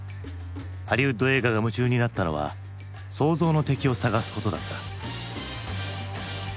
ハリウッド映画が夢中になったのは想像の敵を探すことだった。